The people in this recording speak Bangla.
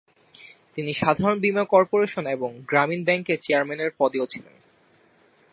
তিনি সাধারণ বিমা কর্পোরেশন এবং গ্রামীণ ব্যাংকের চেয়ারম্যানের পদেও ছিলেন।